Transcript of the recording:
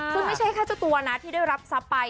ซึ่งไม่ใช่แค่เจ้าตัวนะที่ได้รับทรัพย์ไป